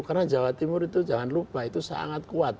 karena jawa timur itu jangan lupa itu sangat kuat